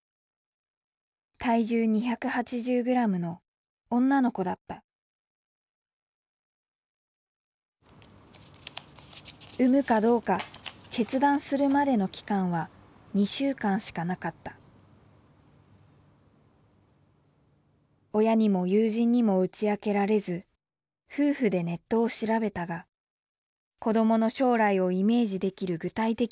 体重２８０グラムの女の子だった生むかどうか決断するまでの期間は２週間しかなかった親にも友人にも打ち明けられず夫婦でネットを調べたが子どもの将来をイメージできる具体的な情報は見つからなかった